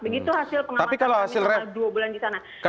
begitu hasil pengamatan kami selama dua bulan di sana